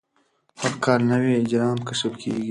هر کال نوي اجرام کشف کېږي.